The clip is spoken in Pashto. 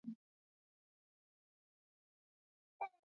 ازادي راډیو د ورزش په اړه د اقتصادي اغېزو ارزونه کړې.